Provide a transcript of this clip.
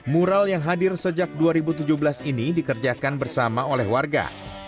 mural yang hadir sejak dua ribu tujuh belas ini dikerjakan bersama oleh warga